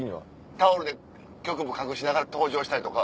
タオルで局部隠しながら登場したりとか。